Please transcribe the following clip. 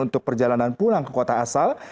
untuk perjalanan pulang ke kota asal